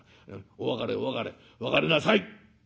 お別れお別れ別れなさい」。